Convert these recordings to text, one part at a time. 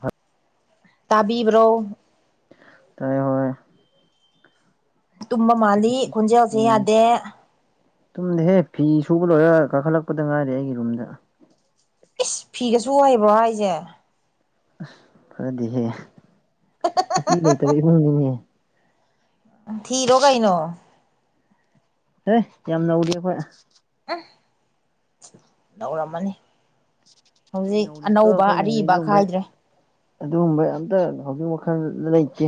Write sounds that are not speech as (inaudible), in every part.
ꯍ ꯇꯥꯕꯤꯕ꯭ꯔꯣ ꯇꯥꯏꯌꯦ ꯍꯣ ꯇꯨꯝꯕ ꯃꯥꯜꯂꯤ ꯈꯣꯟꯖꯦꯜꯁꯦ ꯌꯥꯗꯦ꯫ ꯇꯨꯝꯗꯍꯦ ꯐꯤ ꯁꯨꯕ ꯂꯣꯏꯔ ꯀꯥꯈꯠꯂꯛꯄꯗ ꯉꯥꯏꯔꯤ ꯑꯩꯒꯤ ꯔꯨꯝꯗ꯫ ꯏꯁ ꯐꯤꯒꯥ ꯁꯨ ꯍꯩꯕ꯭ꯔꯣ ꯍꯥꯏꯖꯦ ꯫ ꯑꯁ ꯐꯖꯗꯦꯍꯦ ꯅꯨꯄꯤ ꯂꯩꯇꯕ ꯏꯃꯨꯡꯅꯤꯅꯦ꯫ ꯎꯝ ꯊꯤꯔꯣ ꯒꯩꯅꯣ꯫ ꯌꯦ ꯌꯥꯝ ꯅꯧꯔꯤ ꯑꯈꯣꯏ꯫ ꯎ ꯇꯧꯔꯝꯃꯅꯤ ꯑꯩꯈꯣꯏ ꯍꯧꯖꯤꯛ ꯅꯧꯔꯤꯀꯣ ꯑꯅꯧꯕ ꯑꯔꯤꯕ ꯈꯥꯏꯗ꯭ꯔꯦ ꯑꯗꯨꯒꯨꯝꯕ ꯑꯇ ꯍꯧꯖꯤꯛ ꯋꯥꯈꯜ ꯂꯩꯇꯦ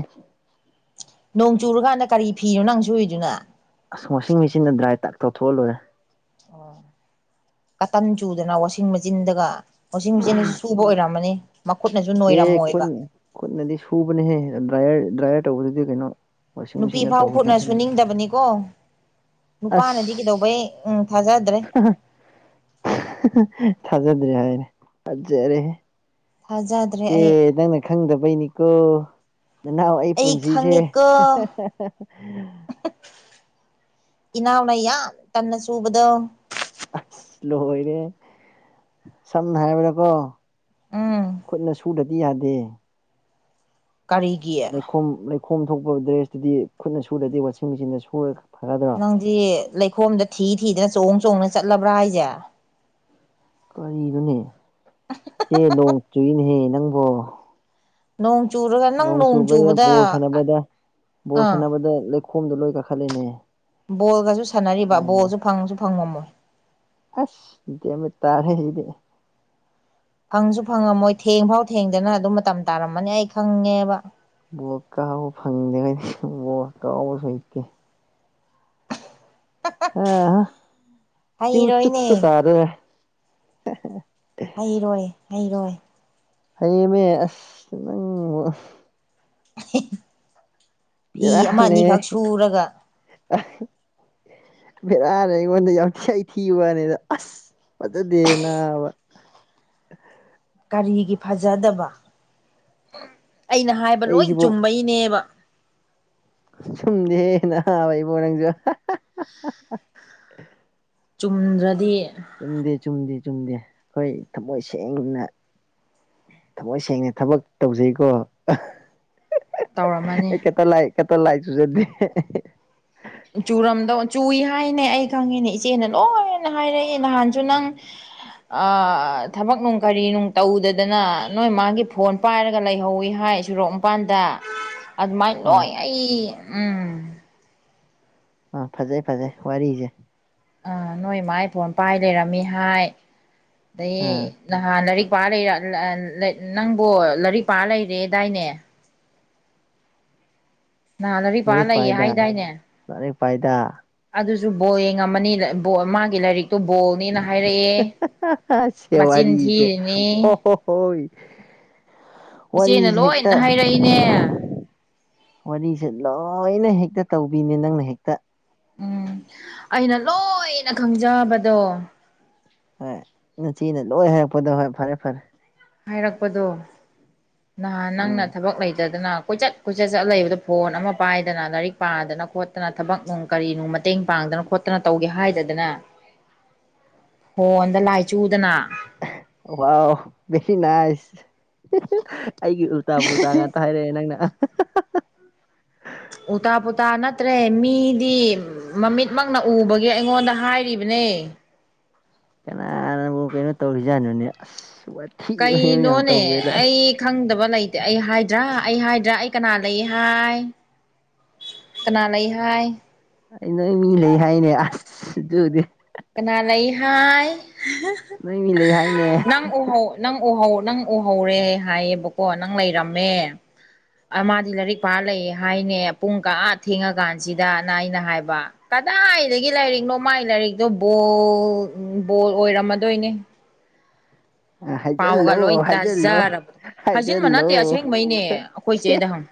ꯅꯣꯡ ꯆꯨꯔꯀꯥꯟꯗ ꯀꯔꯤ ꯐꯤꯔꯣ ꯅꯪ ꯁꯨꯏꯗꯨꯅ ꯑꯁ ꯋꯥꯁꯤꯡ ꯃꯦꯆꯤꯟꯗ ꯗ꯭ꯔꯥꯏ ꯇꯛ ꯇꯧꯊꯣꯛꯍꯜꯂꯨꯔꯦ ꯑꯣ ꯀꯇꯟ ꯆꯨꯗꯅ ꯋꯥꯁꯤꯡ ꯃꯦꯆꯤꯟꯗꯒ ꯃꯁꯤꯡꯆꯦꯅꯁꯨ ꯁꯨꯕ ꯑꯣꯏꯔꯝꯃꯅꯤ ꯃꯈꯨꯠꯅꯁꯨ ꯑꯦ ꯅꯣꯏꯔꯝꯃꯣꯏꯕ ꯈꯨꯠꯅ ꯈꯨꯠꯅꯗꯤ ꯁꯨꯕꯅꯦꯍꯦ ꯗ꯭ꯔꯥꯏꯌꯔ ꯗ꯭ꯔꯥꯏꯌꯔ ꯇꯧꯕꯗꯨꯗꯤ ꯀꯩꯅꯣ ꯋꯥꯁꯤꯡ ꯅꯨꯄꯤ ꯃꯦꯆꯤꯟꯗ ꯐꯥꯎ ꯇꯧꯒꯦꯅ ꯈꯨꯠꯅꯁꯨꯨ ꯈꯟꯕ ꯅꯤꯡꯗꯕꯅꯤꯀꯣ ꯑꯁ ꯅꯨꯄꯥꯅꯗꯤ ꯀꯩꯗꯧꯕꯩ ꯎꯝ ꯊꯥꯖꯗ꯭ꯔꯦ (unintelligible) ꯊꯥꯖꯗ꯭ꯔꯦ ꯍꯥꯏꯔꯦ ꯐꯖꯔꯦ ꯐꯖꯠ ꯇꯦ ꯅꯪꯅ ꯈꯪꯗꯕꯩꯅꯤꯀꯣ ꯏꯅꯥꯎ ꯑꯩ ꯄꯨꯟꯁꯤꯁꯦ (unintelligible) ꯏꯅꯥꯎꯅ ꯌꯥꯝ ꯇꯟꯅ ꯆꯨꯕꯗꯣ ꯑꯁ ꯂꯣꯏꯔꯦꯍꯦ ꯁꯝꯅ ꯍꯥꯏꯕꯗꯀꯣ ꯎꯝ ꯈꯨꯠꯅ ꯁꯨꯗꯔꯗꯤ ꯌꯥꯗꯦ ꯀꯔꯤ ꯂꯩꯈꯣꯝ ꯂꯩꯈꯣꯝ ꯊꯣꯛꯄ ꯗ꯭ꯔꯦꯁꯇꯨꯗꯤ ꯈꯨꯠꯅ ꯁꯨꯔꯗꯤ ꯋꯥꯁꯤꯡ ꯃꯦꯆꯤꯟꯗ ꯁꯨꯔ ꯐꯒꯗ꯭ꯔꯥ ꯗꯤ ꯂꯩꯈꯣꯝꯗ ꯊꯤ ꯊꯤꯗꯅ ꯆꯣꯡ ꯆꯣꯡꯅ ꯆꯠꯂꯕ꯭ꯔꯥ ꯍꯥꯏꯁꯦ ꯀꯔꯤꯅꯣꯅꯦ ꯏꯆꯦ ꯅꯣꯡ ꯆꯨꯏꯅꯦꯍꯦ ꯅꯪꯕꯣ ꯅꯣꯡ ꯆꯔꯒ ꯅꯣꯡ ꯆꯨꯕꯗ ꯕꯣꯜ ꯁꯥꯟꯅꯕꯗ ꯕꯣꯜ ꯑꯥ ꯁꯥꯟꯅꯕꯗ ꯂꯩꯈꯣꯝꯗꯣ ꯂꯣꯏ ꯀꯥꯈꯠꯂꯤꯅꯦ ꯕꯣꯜꯒꯁꯨ ꯁꯥꯟꯅꯔꯤꯕ ꯕꯣꯜꯁꯨ ꯐꯪꯁꯨ ꯐꯪꯉꯝꯃꯣꯏ ꯑꯁ (unintelligible) ꯐꯪꯁꯨ ꯐꯪꯉꯝꯃꯣꯏ ꯊꯦꯡ ꯐꯥꯎ ꯊꯦꯡꯗꯅ ꯑꯗꯨꯝ ꯃꯇꯝ ꯇꯥꯔꯝꯃꯅꯤ ꯑꯩ ꯈꯪꯉꯦꯕ ꯕꯣꯜ ꯀꯥꯎꯕ ꯐꯪꯗ꯭ꯦꯉꯩꯗꯤ ꯕꯣꯔ ꯀꯥꯎꯕꯁꯨ ꯍꯩꯇꯦ ꯑ ꯍꯥ ꯆꯨ ꯆꯨꯞꯄ ꯍꯩꯔꯣꯏꯅꯦ ꯇꯘꯧꯔꯦ ꯍꯩꯔꯣꯏ ꯍꯩꯔꯣꯏ ꯍꯩꯌꯦꯃꯦ ꯑꯁ ꯅꯪꯕꯨ (unintelligible) ꯐꯤ ꯑꯃ ꯕꯦꯔꯥꯅꯤꯍꯦ ꯑꯅꯤꯈꯛ ꯁꯨꯔꯒ (unintelligible) ꯕꯦꯔꯥꯅꯦ ꯑꯩꯉꯣꯟꯗ ꯌꯥꯝ (unintelligible) ꯊꯤꯕꯋꯥꯅꯦꯗ ꯑꯁ ꯐꯖꯗꯦ ꯅꯥꯕ ꯀꯔꯤꯒꯤ ꯐꯖꯗꯕ ꯑꯩꯅ ꯍꯥꯏꯕ ꯂꯣꯏ ꯑꯩꯁꯤꯕꯨ ꯆꯨꯝꯕꯩꯅꯦꯕ ꯆꯨꯝꯗꯦ ꯍꯦ ꯅꯥꯕ ꯏꯕꯣ ꯅꯪꯁꯨ ꯆꯨꯝꯗ꯭ꯔꯗꯤ ꯆꯨꯝꯗꯦ ꯆꯨꯝꯗꯦ ꯆꯨꯝꯗꯦ ꯑꯩꯈꯣꯏ ꯊꯃꯣꯏ ꯁꯦꯡꯅ ꯊꯃꯣꯏ ꯁꯦꯡꯅ ꯊꯕꯛ ꯇꯧꯖꯩꯀꯣ (unintelligible) ꯇꯧꯔꯝꯃꯅꯤ ꯑꯩ ꯀꯇꯜ ꯂꯥꯏ ꯀꯇꯜ ꯂꯥꯏ ꯆꯨꯖꯗꯦ ꯆꯨꯔꯝꯗꯧ ꯆꯨꯏ ꯍꯥꯏꯅꯦ ꯑꯩ ꯈꯪꯉꯤꯅꯦ ꯏꯆꯦꯅ ꯂꯣꯏꯅ ꯍꯥꯏꯔꯛꯑꯦ ꯅꯍꯥꯟꯁꯨ ꯅꯪ ꯊꯕꯛ ꯅꯨꯡ ꯀꯔꯤ ꯅꯨꯡ ꯇꯧꯗꯗꯅ ꯅꯣꯏ ꯃꯥꯒꯤ ꯐꯣꯟ ꯄꯥꯏꯔꯒ ꯂꯩꯍꯧꯋꯤ ꯍꯥꯏ ꯁꯣꯔꯣꯛ ꯃꯄꯥꯟꯗ ꯑꯗꯨꯃꯥꯏꯅ ꯑꯥ ꯂꯣꯏ ꯑꯩ ꯎꯝ ꯑ ꯐꯖꯩ ꯐꯖꯩ ꯋꯥꯔꯤꯖ ꯑ ꯅꯣꯏ ꯏꯃꯥꯏ ꯐꯣꯟ ꯄꯥꯏ ꯂꯩꯔꯝꯃꯤ ꯍꯥꯏ ꯑꯗꯩ ꯑꯥ ꯅꯍꯥꯟ ꯂꯥꯏꯔꯤꯛ ꯄꯥ ꯂꯩꯔ ꯅꯪꯕꯨ ꯂꯥꯏꯔꯤꯛ ꯄꯥ ꯂꯩꯔꯦꯗꯥꯏꯅꯦ ꯅꯍꯥꯟ ꯂꯥꯏꯔꯤꯛꯄꯥꯥ ꯂꯥꯏꯔꯤꯛ ꯂꯩꯌꯦ ꯄꯥꯏꯗ ꯍꯥꯏꯗꯥꯏꯅꯦ ꯂꯥꯏꯔꯤꯛ ꯄꯥꯏꯗ ꯑꯗꯨꯁꯨ ꯕꯣꯜ ꯌꯦꯡꯉꯝꯃꯅꯤꯅ ꯕꫭꯜ ꯃꯥꯒꯤ ꯂꯥꯏꯔꯤꯛ (unintelligible) ꯃꯆꯤꯟ ꯋꯥꯔꯤꯖꯦ ꯊꯤꯔꯤꯅꯤ ꯍꫭ ꯍꫭ ꯍꯣꯏ (inaudible) ꯏꯆꯦꯅ ꯋꯥꯔꯤꯁꯦ ꯍꯦꯛꯇ ꯂꯣꯏꯅ ꯍꯥꯏꯔꯛꯏꯅꯦ ꯋꯥꯔꯤꯁꯦ ꯂꯣꯏꯅ ꯍꯦꯛꯇꯥ ꯇꯧꯕꯤꯅꯦ ꯅꯪꯅ ꯍꯦꯛꯇ ꯎꯝ ꯑꯩꯅ ꯂꯣꯏꯅꯥ ꯈꯪꯖꯕꯗꯣ ꯍꯣꯏ ꯒꯆꯦꯅ ꯂꯣꯏ ꯍꯥꯏꯔꯛꯄꯗꯣ ꯍꯣꯏ ꯐꯔꯦ ꯐꯔꯦ ꯍꯥꯏꯔꯛꯄꯗꯣ ꯅꯍꯥꯟ ꯎꯝ ꯅꯪꯅ ꯊꯕꯛ ꯂꯩ ꯇꯗꯅ ꯀꯣꯏꯆꯠ ꯀꯣꯏꯆꯠ ꯆꯠ ꯂꯩꯕꯗ ꯐꯣꯟ ꯑꯃꯥ ꯄꯥꯏꯗꯅ ꯂꯥꯏꯔꯤꯛ ꯄꯥꯗꯅ ꯈꯣꯠꯇꯅ ꯊꯕꯛ ꯅꯨꯡ ꯀꯔꯤꯅ‌ꫭ ꯃꯇꯦꯡ ꯄꯥꯡꯗꯅ ꯈꯣꯠꯇꯅ ꯇꯧꯒꯦ ꯍꯥꯏꯗꯗꯅ (inaudible) ꯐꯣꯟꯗ ꯂꯥꯏ ꯆꯨꯗꯅ ꯋꯥꯎꯏ ꯚꯦꯔꯤ ꯅꯥꯏꯁ ꯑꯩꯒꯤ ꯎꯜꯇꯥꯥ ꯄꯨꯇꯥ ꯉꯥꯛꯇ ꯍꯥꯏꯔꯛꯑꯦ ꯅꯪꯅ ꯑꯁꯠ ꯎꯜꯇꯥ ꯄꯨꯇꯥ ꯅꯠꯇ꯭ꯔꯦ ꯃꯤꯗꯤ ꯃꯃꯤꯠꯃꯛꯅ ꯎꯕꯒꯤ ꯑꯩꯉꯣꯟꯗ ꯍꯥꯏꯔꯤꯕꯅꯦ ꯀꯅꯥꯅꯕꯨ ꯀꯩꯅꯣ ꯇꯧꯔꯤꯁꯤꯖꯥꯠꯅꯣꯅꯦ ꯑꯁ ꯋꯥ ꯀꯩꯅꯣꯅꯦ ꯑꯩ ꯈꯪꯗꯕ ꯂꯩꯇꯦ ꯑꯩ ꯍꯥꯏꯗ꯭ꯔꯥ ꯑꯩ ꯍꯥꯏꯗ꯭ꯔꯥ ꯑꯩ ꯀꯅꯥ ꯂꯩ ꯍꯥꯏ ꯀꯅꯥ ꯂꯩ ꯍꯥꯏ ꯑꯩ ꯅꯣꯏ ꯃꯤ ꯂꯩ ꯍꯥꯏꯅꯦ ꯑꯁ ꯑꯗꯨꯗꯤ ꯀꯅꯥ ꯂꯩꯍꯥꯏ ꯅꯣꯏ ꯃꯤ ꯂꯩ ꯍꯥꯏꯅꯦ ꯅꯪ ꯎꯍꯧ ꯅꯪ ꯎꯍꯧ ꯅꯪ ꯎꯍꯧꯔꯦ ꯍꯥꯏꯌꯦꯕꯀꯣ ꯅꯪ ꯂꯩꯔꯝꯃꯦ ꯃꯥꯗꯤ ꯂꯥꯏꯔꯤꯛ ꯄꯥꯔ ꯂꯩ ꯍꯥꯏꯅꯦ ꯄꯨꯡ ꯀꯥ ꯊꯦꯡꯉꯀꯥꯟꯁꯤꯗꯅ ꯑꯩꯅ ꯍꯥꯏꯕ ꯀꯗꯥꯏꯗꯒꯤ ꯂꯥꯏꯔꯤꯛꯅꯣ ꯃꯥꯒꯤ ꯂꯥꯏꯔꯤꯛꯇꯣ ꯕꯣꯜ ꯕꯣꯜ ꯑꯣꯏꯔꯝꯃꯗꯣꯏꯅꯦ ꯄꯥꯎꯒ ꯍꯥꯏꯖꯜꯂꯣ ꯂꯣꯏ ꯍꯥꯏꯖꯜꯂꯣ ꯇꯥꯖꯔꯕ ꯍꯥꯏꯖꯤꯟꯕ ꯍꯥꯏꯖꯜꯂꯣ ꯅꯠꯇꯦ ꯑꯁꯦꯡꯕꯩꯅꯦ ꯑꯩꯈꯣꯏ ꯆꯦꯗ ꯍꯪ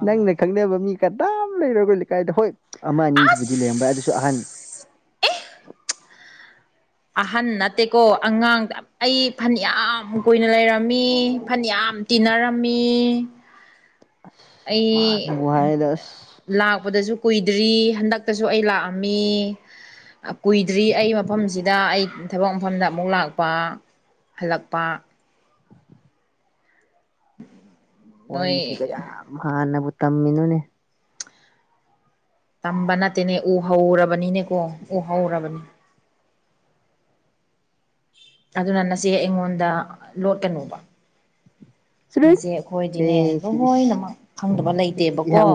ꯑꯣ ꯅꯪꯅ ꯈꯪꯅꯕ ꯃꯤ ꯀꯗꯥꯝ ꯂꯩꯔ‌ꫭꯏ ꯑꯩꯈ‌ꫭꯏ ꯂꯩꯀꯥꯏꯗ‌ꫭ ꯍꯣꯏ ꯑꯃ ꯑꯁ ꯑꯅꯤꯁꯤꯕꯨꯗꯤ ꯂꯩꯔꯝꯕ ꯑꯗꯨꯁꯨ ꯑꯍꯟ ꯑꯍꯟ ꯅꯠꯇꯦꯀꯣ ꯑꯉꯥꯡꯗ ꯑꯩ ꯐꯟ ꯌꯥꯝ ꯀꯨꯏꯅ ꯂꯩꯔꯝꯃꯤ ꯐꯟ ꯌꯥꯝ ꯇꯤꯟꯅꯔꯝꯃꯤ ꯑꯁ ꯑꯩ ꯃꯥꯅꯕꯨ ꯍꯥꯏꯔꯦꯗ ꯑꯁ ꯂꯥꯛꯄꯗꯁꯨ ꯀꯨꯏꯗ꯭ꯔꯤ ꯍꯟꯗꯛꯇꯁꯨ ꯑꯩ ꯂꯥꯛꯑꯝꯃꯤ ꯀꯨꯏꯗ꯭ꯔꯤ ꯑꯩ ꯃꯐꯝꯁꯤꯗ ꯑꯩ ꯊꯕꯛ ꯃꯐꯝꯗ ꯑꯃꯨꯛ ꯂꯥꯛꯄ ꯍꯜꯂꯛꯄ ꯅꯣꯏ ꯋꯥꯔꯤꯁꯤꯒ ꯌꯥꯝ ꯍꯥꯟꯅꯕꯨ ꯇꯝꯃꯤꯅꯨꯅꯦ ꯇꯝꯕ ꯅꯠꯇꯦꯅꯦ ꯎ ꯍꯧꯔꯕꯅꯤꯅꯦꯀꯣ ꯎ ꯍꯧꯔꯕꯅꯦ ꯑꯗꯨꯅ ꯅꯆꯦ ꯑꯩꯉꯣꯟꯗ ꯂꯣꯠꯀꯅꯨꯕ ꯆꯨꯔꯨꯠ ꯅꯁꯦ ꯑꯩꯈꯣꯏꯗꯤꯅꯦ ꯀꯩ ꯁꯤ ꯏꯁ ꯂꯣꯏꯅꯃꯛ ꯈꯪꯗꯕ ꯂꯩꯇꯦꯕꯀꯣ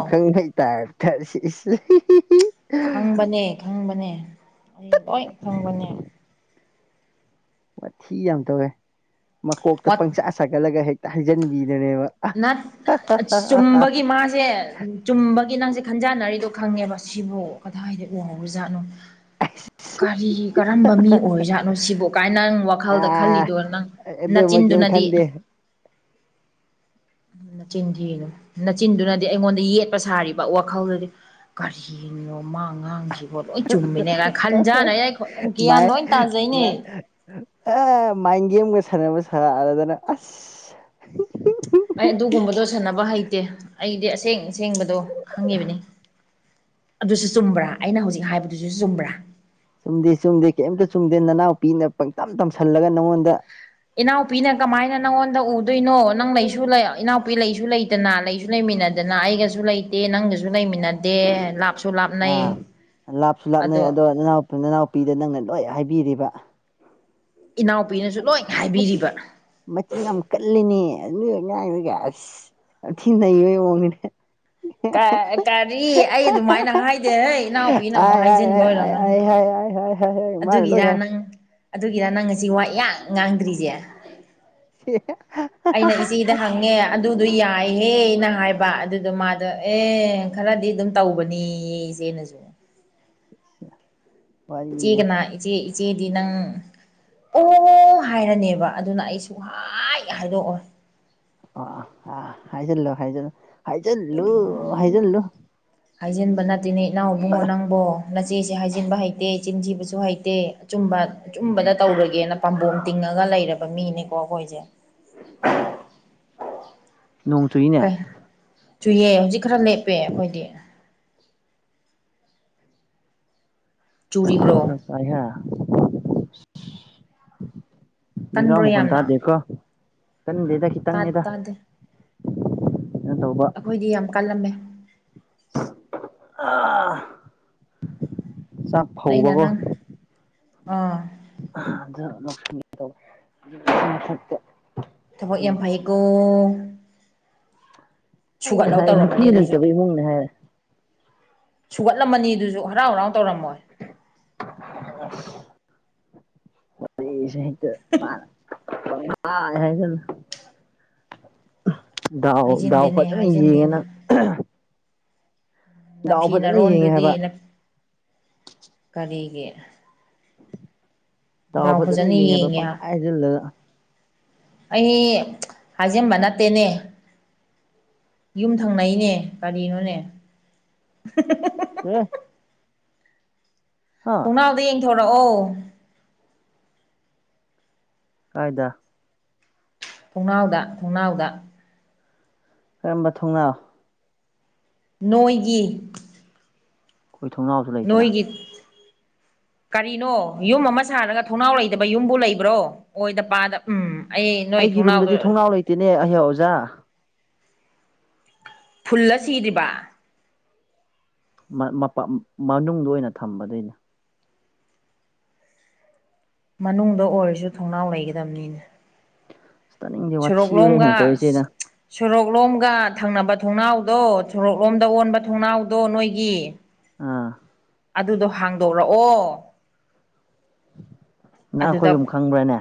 ꯊꯔꯁꯤ (unintelligible) ꯈꯪꯕꯅꯦ ꯈꯪꯕꯅꯦ ꯑꯩ ꯂ‌ꫭꯏ ꯈꯪꯕꯅꯦ ꯃꯊꯤ ꯌꯥꯝ ꯇꯧꯋꯦ ꯃꯀꯣꯛꯇ ꯋꯥꯠ ꯄꯪꯆꯥꯥ ꯁꯥꯒꯠꯂꯒ ꯍꯦꯛꯇ ꯍꯥꯏꯩꯖꯟꯕꯤꯗꯔꯦꯕ ꯅꯠ ꯆꯨꯝꯕꯒꯤ ꯃꯥꯁꯦ ꯆꯨꯝꯕꯒꯤ ꯅꯪꯁꯦ ꯈꯟꯖꯥꯅꯔꯤꯗꯣ ꯈꯪꯉꯦꯕ ꯁꯤꯕꯨ ꯀꯗꯥꯏꯗ ꯎꯍꯧꯔꯖꯥꯠꯅꯣ ꯑꯁ ꯀꯔꯤ ꯀꯔꯝꯕ ꯃꯤ ꯑꯣꯏꯖꯥꯠꯅꯣ ꯁꯤꯕꯣ ꯀꯥꯏꯅ ꯅꯪ ꯋꯥꯈꯜꯗ ꯑꯥ ꯈꯜꯂꯤꯗꯣ ꯅꯪ ꯑꯗꯨꯃ ꯀꯩꯝ ꯅꯆꯤꯟꯗꯨꯅꯗꯤ ꯈꯟꯗꯦ ꯅꯆꯤꯟ ꯊꯤꯒꯅꯨ ꯅꯆꯤꯟꯗꯨꯅꯗꯤ ꯑꯩꯉꯣꯟꯗ ꯌꯦꯠꯄ ꯁꯥꯔꯤꯕ ꯋꯥꯈꯜꯗꯨꯗꯤ ꯀꯔꯤꯅꯣ ꯃꯥꯡ ꯉꯥꯡꯁꯤꯕ ꯂꯣꯏ ꯆꯨꯝꯃꯤꯅꯦꯒ ꯈꯟꯖꯔꯦ ꯑꯩ ꯒ꯭ꯌꯥꯟ ꯃꯥꯏ ꯂꯣꯏ ꯇꯥꯖꯩꯅꯦ ꯑ ꯃꯥꯏꯟꯒꯦꯝꯒ ꯁꯥꯟꯅꯕ ꯁꯥꯔꯗꯅ ꯑꯁ ꯑꯩ ꯑꯗꯨꯒꯨꯝꯕꯗꯣ ꯁꯥꯟꯅꯕ ꯍꯩꯇꯦ ꯑꯩꯗꯤ ꯑꯁꯦꯡ ꯑꯁꯦꯡꯕꯗꯣ ꯈꯪꯉꯤꯕꯅꯤ ꯑꯗꯨꯁꯨ ꯆꯨꯝꯕ꯭ꯔꯥ ꯑꯩꯅ ꯍꯧꯖꯤꯛ ꯍꯥꯏꯕꯗꯨꯁꯨ ꯆꯨꯝꯕ꯭ꯔꯥ ꯆꯨꯝꯗꯦ ꯆꯨꯝꯗꯦ ꯀꯩꯝꯇ ꯆꯨꯝꯗꯦ ꯅꯅꯥꯎꯄꯤꯅ ꯄꯪꯇꯝ ꯇꯝꯁꯜꯂꯒ ꯅꯪꯉꯣꯟꯗ ꯏꯅꯥꯎꯄꯤꯅ ꯀꯃꯥꯏꯅ ꯅꯪꯉꯣꯟꯗ ꯎꯗꯣꯏꯅꯣ ꯅꯪ ꯂꯩꯁꯨ ꯂꯩ ꯏꯅꯥꯎꯄꯤ ꯂꯩꯁꯨ ꯂꯩꯇ ꯗꯅꯥ ꯂꯩꯁꯨ ꯂꯩꯃꯤꯟꯅꯗꯅ ꯑꯩꯒꯁꯨ ꯂꯩꯇꯦ ꯅꯪꯒꯁꯨ ꯂꯩꯃꯤꯟꯅꯗꯦ ꯂꯥꯛ ꯑꯥ ꯂꯥꯞꯁꯨ ꯂꯥꯞꯅꯩ ꯑꯗꯣ ꯅꯅꯥꯎ ꯅꯅꯥꯎꯄꯤꯗ ꯅꯪꯅ ꯂꯣꯏ ꯍꯥꯏꯕꯤꯔꯤꯕ ꯏꯅꯥꯎꯄꯤꯅꯁꯨ ꯂꯣꯏ ꯃꯆꯤꯟ ꯍꯥꯏꯕꯤꯔꯤꯕ ꯃꯆꯤꯟ ꯌꯥꯝ ꯀꯜꯂꯤꯅꯦ ꯑꯗꯨꯒꯤ ꯑꯉꯥꯡꯗꯨꯒ ꯑꯁ ꯌꯥꯝꯊꯤꯅꯩꯕꯩ ꯃꯑꯣꯡꯅꯤꯅꯦ ꯀꯥ ꯀꯔꯤ ꯑꯩ ꯑꯗꯨꯃꯥꯏꯅ ꯍꯥꯏꯗꯦ ꯍꯩ ꯏꯅꯥꯎꯄꯤꯅ ꯑꯃꯨꯛ ꯍꯥꯏ ꯍꯥꯏ ꯍꯥꯏꯖꯤꯟꯕ ꯍꯥꯏ ꯍꯥꯏ ꯑꯣꯏꯔꯝꯃꯅꯤ ꯍꯥꯏ ꯍꯥꯏ ꯍꯥꯏ ꯍꯥꯏ ꯍꯥꯏ ꯍꯥꯏ ꯃꯥꯅ ꯂꯣꯏ ꯑꯗꯨꯒꯤꯔ ꯍꯥꯏ ꯅꯪ ꯑꯗꯨꯒꯤꯔ ꯅꯪ ꯉꯁꯤ ꯋꯥ ꯏꯉꯥꯡ ꯉꯥꯡꯗ꯭ꯔꯤꯁꯦ (unintelligible) ꯑꯩꯅ ꯏꯆꯦꯗ ꯍꯪꯉꯦ ꯑꯗꯨꯗꯣ ꯌꯥꯏꯍꯦꯅ ꯍꯥꯏꯕ ꯑꯗꯨꯗꯣ ꯃꯥꯗꯣ ꯑꯦ ꯈꯔꯗꯤ ꯑꯗꯨꯝ ꯇꯧꯕꯅꯤꯌꯦ ꯏꯆꯦꯅꯁꯨ (unintelligible) ꯏꯆꯤ ꯀꯅꯥ ꯏꯆꯦ ꯏꯆꯦꯗꯤ ꯅꯪ ꯑꯣ ꯍꯥꯏꯔꯅꯦꯕ ꯑꯗꯨꯅ ꯑꯩ ꯁꯨꯡꯍꯥꯏ ꯍꯥꯏꯗꯣꯛꯑꯣꯏ ꯑꯣ ꯑ ꯍꯥꯏꯖꯜꯂꯨ ꯍꯥꯏꯖꯜꯂꯨ ꯍꯥꯏꯖꯟꯂꯨ ꯍꯥꯏꯖꯟꯂꯨ ꯍꯥꯏꯖꯤꯟꯕ ꯅꯠꯇꯦꯅꯦ ꯏꯅꯥꯎ ꯏꯕꯨꯡꯉꯣ ꯅꯪꯕꯣ ꯅꯆꯦꯁꯦ ꯍꯥꯏꯖꯤꯟꯕ ꯍꯩꯇꯦ ꯆꯤꯟꯊꯤꯕꯁꯨ ꯍꯩꯇꯦ ꯑꯆꯨꯝꯕ ꯑꯆꯨꯝꯕꯗ ꯇꯧꯔꯒꯦꯅ ꯄꯥꯝꯕꯣꯝ ꯇꯤꯡꯉꯒ ꯂꯩꯔꯕ ꯃꯤꯅꯤꯀꯣ ꯑꯈꯣꯏꯁꯦ ꯅꯣꯡ ꯆꯨꯏꯅꯦ ꯀꯩ ꯆꯨꯏꯌꯦ ꯍꯧꯖꯤꯛ ꯈꯔ ꯂꯦꯞꯄꯦ ꯑꯈꯣꯏꯗꯤ ꯆꯨꯔꯤꯕ꯭ꯔꯣ (unintelligible) (unintelligible) ꯀꯟꯕ꯭ꯔꯣ ꯃꯈꯣꯟ ꯌꯥꯝꯅ ꯇꯥꯗꯦꯀꯣ ꯀꯟꯗꯦꯗ ꯇꯥ ꯈꯤꯇꯪꯅꯤꯗ ꯇꯥꯗꯦ ꯇꯧꯕ ꯈꯣꯏꯗꯤ ꯌꯥꯝ ꯀꯜꯂꯝꯃꯦ (unintelligible) ꯑꯩꯅ ꯅꯪ ꯑꯥ (unintelligible) ꯊꯕꯛ ꯌꯥꯝ ꯑꯗꯨꯏꯅꯦ. ꯐꯩꯌꯦꯀꯣ ꯑꯩꯅ ꯁꯨꯒꯠꯂꯒ ꯍꯥꯏꯔꯦ ꯅꯨꯄꯤ ꯇꯧꯔꯝꯃꯅꯤ ꯑꯗꯨꯖꯨ ꯂꯩꯇꯕ ꯏꯃꯨꯡꯅꯦ ꯍꯥꯏꯔꯦ ꯁꯨꯒꯠꯂꯝꯃꯅꯤ ꯑꯗꯨꯁꯨ ꯍꯔꯥꯎ ꯍꯔꯥꯎ ꯇꯧꯔꯝꯃꯣꯏ (unintelligible) ꯋꯥꯔꯤꯁꯤ ꯍꯦꯛꯇ (unintelligible) ꯄꯪꯍꯥꯏ ꯍꯥꯏꯖꯤꯜꯂꯨ ꯗꯥꯎ ꯗꯥꯎ ꯍꯥꯏꯖꯤꯟꯗꯦꯅꯦ ꯐꯖꯅ ꯌꯦꯡꯉꯦ ꯍꯥꯏꯖꯤꯟꯗꯦꯅꯦ ꯅꯪ ꯗꯥꯎ ꯅꯐꯤ ꯐꯖꯅ ꯌꯦꯡꯉꯦ ꯅꯔꯣꯟꯗꯨꯗꯤ ꯍꯥꯏꯕ ꯅꯞ ꯀꯔꯤꯒꯤ ꯗꯥꯎ ꯐꯖꯅ ꯌꯦꯡꯉꯦ ꯍꯥꯏꯕ ꯌꯦꯡꯉꯦꯍꯥ ꯄꯪꯍꯥꯏ ꯍꯥꯏꯖꯤꯜꯂꯒ ꯑꯩꯗꯤ ꯍꯥꯏꯖꯤꯟꯕ ꯅꯠꯇꯦꯅꯦ ꯌꯨꯝ ꯊꯪꯅꯩꯅꯦ ꯀꯔꯤꯅꯣꯅꯦ (unintelligible) ꯍꯥ ꯊꯣꯡꯅꯥꯎꯗ ꯌꯦꯡꯊꯣꯔꯛꯑꯣ ꯀꯥꯏꯗ ꯊꯣꯡꯅꯥꯎꯗ ꯊꯣꯡꯅꯥꯎꯗ ꯀꯔꯝꯕ ꯊꯣꯡꯅꯥꯎ ꯅꯣꯏꯒꯤ ꯈꯣꯏ ꯊꯣꯡꯅꯥꯎꯖꯨ ꯅꯣꯏꯒꯤ ꯀꯔꯤꯅꯣ ꯌꯨꯝ ꯑꯃ ꯁꯥꯔꯒ ꯊꯣꯡꯅꯥꯎ ꯂꯩꯇꯕ ꯌꯨꯝꯕꯨ ꯂꯩꯕ꯭ꯔꯣ ꯑꯣꯏꯗ ꯄꯥꯗ ꯎꯝ ꯑꯩ ꯅꯣꯏ ꯊꯣꯡꯅꯥꯎꯗ ꯇꯤꯅꯦ ꯑꯩꯍꯦ ꯑꯣꯖꯥ ꯐꯨꯜꯂ ꯁꯤꯗ꯭ꯔꯤꯕ ꯃ ꯃꯄꯥ ꯃ ꯃꯅꯨꯡꯗ ꯑꯣꯏꯅ ꯊꯝꯕ ꯑꯗꯨꯏꯅꯦ ꯃꯅꯨꯡꯗ ꯑꯣꯏꯔꯁꯨ ꯊꯣꯡꯅꯥꯎ ꯂꯩꯒꯗꯕꯅꯤꯅꯦ꯫ ꯑꯁ ꯇꯥꯅꯤꯡꯗꯦ ꯋꯥꯊꯤ ꯑꯣꯏꯔꯦꯅꯦ ꯁꯣꯔꯣꯛꯂꯣꯝꯒ ꯇꯧꯔꯤꯁꯦ ꯅꯪ ꯁꯣꯔꯣꯛꯂꯣꯝꯒ ꯊꯪꯅꯕ ꯊꯣꯡꯅꯥꯎꯗꯣ ꯁꯣꯔꯣꯛꯂꯣꯝꯗ ꯑꯣꯟꯕ ꯊꯣꯡꯅꯥꯎꯗꯣ ꯅꯣꯏꯒꯤ꯫ ꯑꯥ ꯑꯗꯨꯗꯣ ꯍꯥꯡꯗꯣꯔꯛꯑꯣ ꯅꯪ ꯑꯗꯨꯗ ꯑꯩꯈꯣꯏ ꯌꯨꯝ ꯈꯪꯕ꯭ꯔꯥꯅꯦ꯫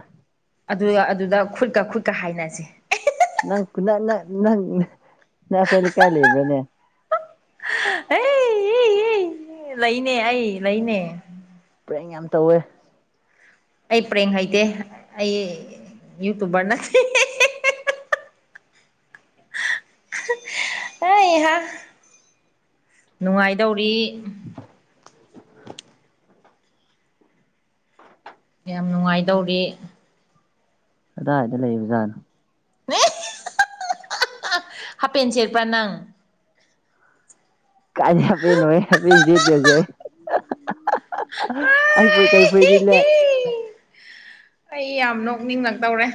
ꯑꯗꯨ ꯑꯗꯨꯗ ꯈꯨꯠꯀ ꯈꯨꯠꯀ ꯍꯥꯏꯅꯁꯦ ꯅꯪ ꯀꯨꯅ ꯅꯪ ꯅꯪ ꯅ ꯅꯪ ꯑꯩꯈꯣꯏ ꯂꯩꯀꯥꯏ ꯂꯩꯕ꯭ꯔꯅꯦ? ꯑꯦ ꯂꯩꯅꯦ ꯑꯩ ꯂꯩꯅꯦ꯫ ꯄ꯭ꯔꯦꯡ ꯌꯥꯝ ꯇꯧꯋꯦ ꯑꯩ ꯄ꯭ꯔꯦꯡ ꯍꯩꯇꯦ ꯑꯩ ꯌꯨꯇꯨꯕꯔ ꯅꯠꯇꯦ ꯍꯩꯍꯥ ꯅꯨꯡꯉꯥꯏꯗꯧꯔꯤ ꯌꯥꯝ ꯅꯨꯡꯉꯥꯏꯗꯧꯔꯤ ꯑꯗꯨꯗꯥꯏꯗ ꯂꯩꯕ ꯖꯥꯠꯅꯣ ꯅ ꯍꯥꯄꯦꯟ ꯁꯦꯠꯄ꯭ꯔꯥ ꯅꯪ ꯀꯥꯏꯗꯩ ꯍꯥꯞꯄꯦꯟꯅꯣꯍꯦ ꯍꯥꯞꯄꯦꯟ ꯁꯦꯠꯇꯦ ꯍꯧꯖꯤꯛ ꯑꯩ (unintelligible) ꯀꯩ ꯐꯨꯔꯤꯠ ꯂꯤꯠꯂꯦ ꯑꯩ ꯌꯥꯝ ꯅꯣꯛꯅꯤꯡ ꯉꯛ ꯇꯧꯔꯦ꯫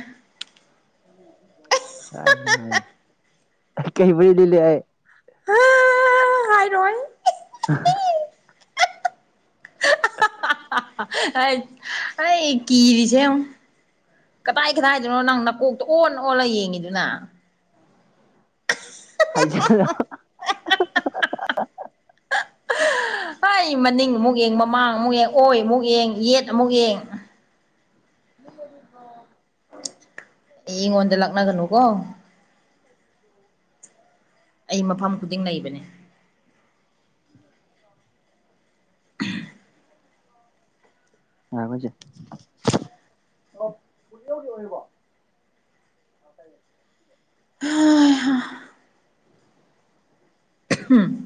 (unintelligible) ꯀꯩ ꯐꯨꯔꯤꯠ ꯂꯤꯠꯂꯤ ꯑꯩ ꯍꯥ ꯍꯥꯏꯔꯣꯏ ꯑꯍ ꯊꯝ ꯍꯩꯠ ꯍꯩ ꯀꯔꯤꯁꯦ ꯌꯦꯡꯉꯨ ꯀꯗꯥꯏ ꯀꯗꯥꯏꯗꯅꯣ ꯅꯪ ꯅꯀꯣꯛꯇ ꯑꯣꯟ ꯑꯣꯜꯂ ꯌꯦꯡꯉꯤꯗꯨꯅ꯫ ꯍꯥꯏꯖꯜꯂꯣ ꯍꯩ ꯃꯅꯤꯡ ꯑꯃꯨꯛ ꯌꯦꯡ ꯃꯃꯥꯡ ꯑꯃꯨꯛ ꯌꯦꯡ ꯑꯣꯏ ꯑꯃꯨꯛ ꯌꯦꯡ ꯌꯦꯠ ꯑꯃꯨꯛ ꯌꯦꯡ (inaudible) ꯑꯩꯉꯣꯟꯗ ꯂꯥꯛꯅꯒꯅꯨꯀꯣ ꯑꯩ ꯃꯐꯝ ꯈꯨꯗꯤꯡ ꯂꯩꯕꯅꯦ꯫ ꯑ ꯍꯩꯕ꯭ꯔꯣ ꯉꯥꯏ ꯈꯣꯁꯦ ꯑꯣꯔꯤꯌꯣꯒꯤ ꯑꯣꯏꯔꯤꯕꯣ (unintelligible) (unintelligible)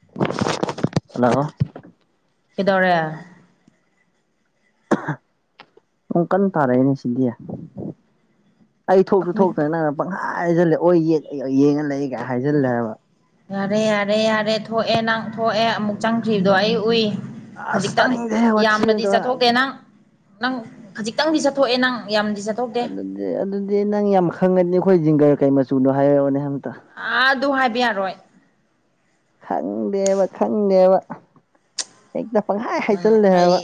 (unintelligible) ꯍꯜꯂꯣ ꯀꯩꯗꯧꯔꯦ ꯄꯨꯡ ꯀꯟꯅ ꯇꯥꯔꯛꯑꯦꯅꯦ ꯁꯤꯗꯤ ꯑꯩ ꯊꯣꯛꯁꯨ ꯑꯩꯈꯣꯏ ꯊꯣꯛꯇꯅ ꯅꯪꯅ ꯄꯪꯈꯥꯏ ꯍꯥꯏꯖꯜꯂꯦ ꯑꯣꯏ ꯌꯦꯠ ꯑꯩ ꯌꯦꯡꯉ ꯂꯩ ꯀꯥꯏ ꯍꯥꯏꯖꯜꯂꯦꯕ ꯌꯥꯔꯦ ꯌꯥꯔꯦ ꯌꯥꯔꯦ ꯊꯣꯛꯑꯦ ꯅꯪ ꯊꯣꯛꯑꯦ ꯑꯃꯨꯛ ꯆꯪꯈ꯭ꯔꯤꯕꯗꯣ ꯑꯩ ꯎꯏ ꯑꯁ ꯍꯖꯤꯛꯇꯪ ꯇꯥꯅꯤꯡꯗꯦ ꯋꯥꯊꯤ ꯑꯃ ꯌꯥꯝꯅꯗꯤ ꯇꯧꯔ ꯆꯠꯊꯣꯛꯇꯦ ꯅꯪ ꯅꯪ ꯈꯖꯤꯛꯇꯪꯗꯤ ꯆꯠꯊꯣꯛꯑꯦ ꯅꯪ ꯌꯥꯝꯗꯤ ꯆꯠ ꯑꯗꯨꯗꯤ ꯑꯗꯨꯗꯤ ꯅꯪ ꯌꯥꯝ ꯈꯪꯉꯅꯤ ꯑꯩꯈꯣꯏ ꯖꯤꯡꯒꯔ ꯀꯩ ꯃꯆꯨꯅꯣ ꯍꯥꯏꯔꯛꯑꯣꯅꯦ ꯑꯝꯇ ꯑ ꯑꯗꯨ ꯍꯥꯏꯕ ꯌꯥꯔꯣꯏ ꯈꯪꯗꯦꯕ ꯈꯪꯗꯦꯕ ꯍꯦꯛꯇ ꯄꯪꯈꯥꯏ ꯎꯝ ꯍꯥꯏꯖꯜꯂꯦꯕ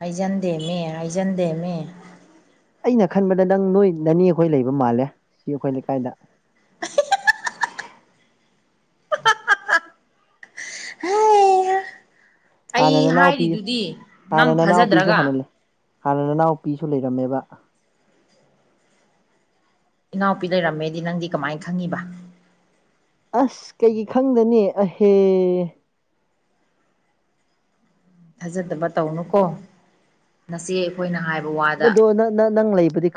ꯍꯩꯖꯟꯗꯦꯃꯦ ꯍꯩꯖꯟꯗꯦꯃꯦ ꯑꯩꯅ ꯈꯟꯕꯗ ꯅꯪ ꯅꯣꯏ ꯅꯅꯦꯈꯣꯏ ꯂꯩꯕ ꯃꯥꯜꯂꯦ ꯁꯤ ꯑꯩꯈꯣꯏ ꯂꯩꯀꯥꯏꯗ ꯍꯩꯍꯥ ꯑꯩ ꯍꯥꯟꯅ ꯅꯅꯥꯎꯄꯤ ꯍꯥꯏꯔꯤꯗꯨꯗꯤ ꯅꯪ ꯍꯥꯟꯅ ꯅꯅꯥꯎꯄꯤꯁꯨ ꯊꯥꯖꯗ꯭ꯔꯒ ꯍꯥꯟꯅ ꯂꯩ ꯍꯥꯟꯅ ꯅꯅꯥꯎꯄꯤꯁꯨ ꯂꯩꯔꯝꯃꯦꯕ ꯏꯅꯥꯎꯄꯤ ꯂꯩꯔꯝꯃꯦꯗꯤ ꯅꯪꯗꯤ ꯀꯃꯥꯏꯅ ꯈꯪꯉꯤꯕ ꯑꯁ ꯀꯩꯒꯤ ꯈꯪꯗꯅꯤ ꯑꯍꯦ ꯊꯥꯖꯗꯕ ꯇꯧꯅꯨꯀꯣ ꯅꯆꯦ ꯑꯩꯈꯣꯏꯅ ꯍꯥꯏꯕ ꯋꯥꯗ ꯑꯗꯣ ꯅꯪ ꯅꯪ ꯂꯩꯕꯗꯤ